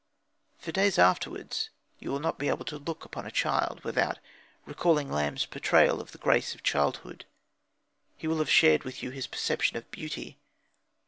For days afterwards you will not be able to look upon a child without recalling Lamb's portrayal of the grace of childhood. He will have shared with you his perception of beauty.